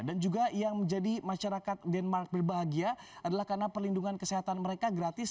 dan juga yang menjadi masyarakat denmark berbahagia adalah karena perlindungan kesehatan mereka gratis